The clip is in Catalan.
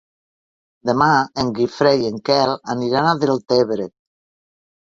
Demà en Guifré i en Quel aniran a Deltebre.